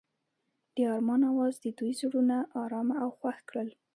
د آرمان اواز د دوی زړونه ارامه او خوښ کړل.